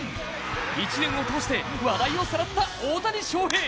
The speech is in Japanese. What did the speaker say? １年をとおして、話題をさらった大谷翔平。